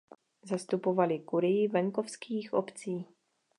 Zastupoval kurii venkovských obcí.